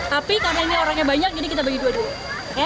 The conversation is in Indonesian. tapi karena ini orangnya banyak jadi kita bagi dua dulu